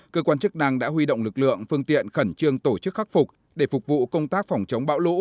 cơ quan chức năng đã huy động lực lượng phương tiện khẩn trương tổ chức khắc phục để phục vụ công tác phòng chống bão lũ